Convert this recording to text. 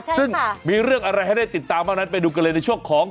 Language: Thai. ซึ่งมีเรื่องอะไรให้ได้ติดตามบ้างนั้นไปดูกันเลยในช่วงของ